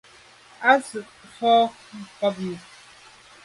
À se’ mfà nkàb i yi.